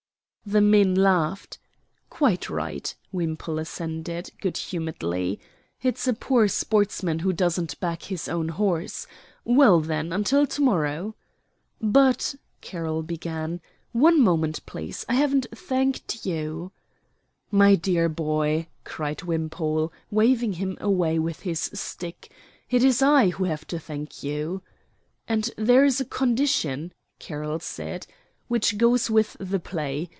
The men laughed. "Quite right," Wimpole assented, good humoredly; "it's a poor sportsman who doesn't back his own horse. Well, then, until to morrow." "But," Carroll began, "one moment please. I haven't thanked you." "My dear boy," cried Wimpole, waving him away with his stick, "it is I who have to thank you." "And and there is a condition," Carroll said, "which goes with the play.